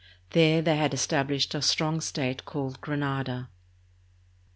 There they had established a strong state called Granada.